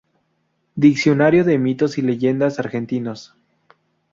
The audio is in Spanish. Diccionario de Mitos y Leyendas Argentinos.